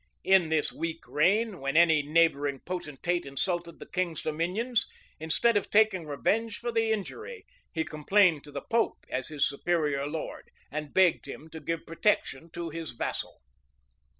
In this weak reign, when any neighboring potentate insulted the king's dominions, instead of taking revenge for the injury, he complained to the pope as his superior lord, and begged him to give protection to his vassal.